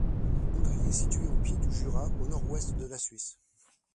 Boudry est situé au pied du Jura, au nord-ouest de la Suisse.